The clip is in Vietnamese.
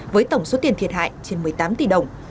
với tổng số tiền thiệt hại trên một mươi tám tỷ đồng